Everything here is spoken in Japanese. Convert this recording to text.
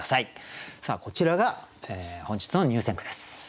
こちらが本日の入選句です。